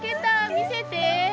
見せて。